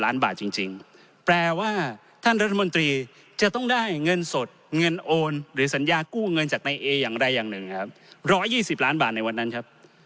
ล้านบาทจริงแปลว่าท่านรัฐมนตรีจะต้องได้เงินสดเงินโอนหรือสัญญากู้เงินจากนายเออย่างไรอย่างหนึ่งครับ๑๒๐ล้านบาทในวันนั้นครับ